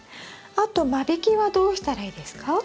あと間引きはどうしたらいいですか？